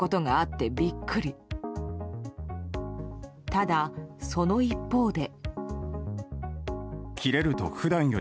ただ、その一方で。